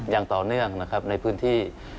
อย่างต่อเนื่องนะครับในพื้นที่